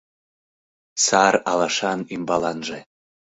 Сар алашан ӱмбаланже